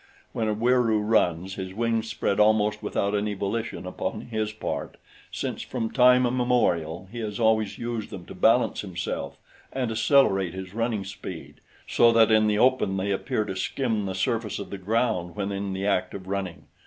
When a Wieroo runs, his wings spread almost without any volition upon his part, since from time immemorial he has always used them to balance himself and accelerate his running speed so that in the open they appear to skim the surface of the ground when in the act of running.